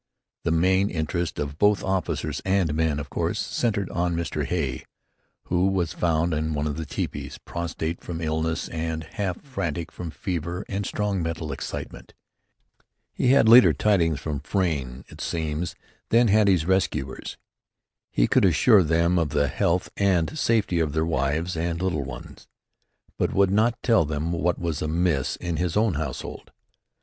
The main interest of both officers and men, of course, centred in Mr. Hay, who was found in one of the tepees, prostrate from illness and half frantic from fever and strong mental excitement. He had later tidings from Frayne, it seems, than had his rescuers. He could assure them of the health and safety of their wives and little ones, but would not tell them what was amiss in his own household.